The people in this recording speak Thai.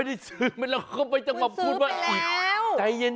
ไม่ได้ซื้ออีกแล้วเค้าไปจังหวับคุณมากคุณซื้อไปแล้ว